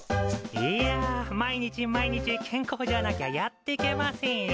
いや毎日毎日健康じゃなきゃやっていけませんよ。